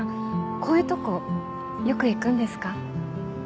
こういうとこよく行くんですか？